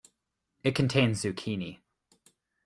It contains Zucchini.